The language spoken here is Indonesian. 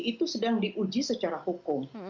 itu sedang diuji secara hukum